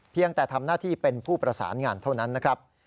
แต่ทำหน้าที่เป็นผู้ประสานงานเท่านั้นนะครับ